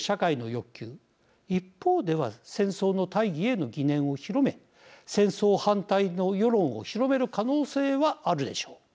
一方では戦争の大義への疑念を広め戦争反対の世論を広める可能性はあるでしょう。